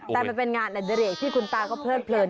แต่มันเป็นงานนัดเดียเรียกที่คุณตาก็เพลิน